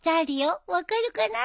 分かるかな？